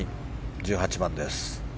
１８番です。